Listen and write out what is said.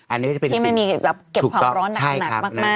อันนี้ก็เป็นสิ่งที่ไม่มีแบบเก็บความร้อนหนักมากใช่ครับ